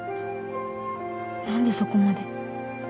何でそこまで